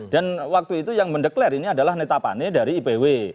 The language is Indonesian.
dan waktu itu yang mendeklar ini adalah netapane dari ipw